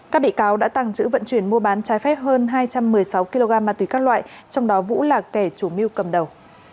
các bị cáo đã tàng trữ vận chuyển mua bán trái phép hơn hai trăm một mươi sáu kg ma túy các loại trong đó vũ là kẻ chủ mưu cầm đầu